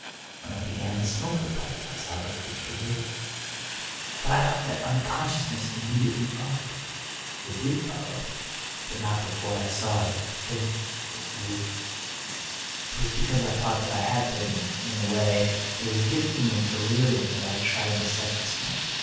When I began to smoke the pipe I saw the creature move." " But I thought that unconsciousness immediately fol lowed." " It did follow, but not before I saw that the thing was 233 English Mystery Stories moving. It was because I thought that I had been, in a way, a victim of delirium that I tried the second smoke.